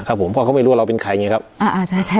ครับผมเพราะเขาไม่รู้ว่าเราเป็นใครไงครับอ่าใช่ใช่